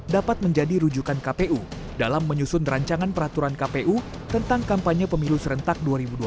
dapat menjadi rujukan kpu dalam menyusun rancangan peraturan kpu tentang kampanye pemilu serentak dua ribu dua puluh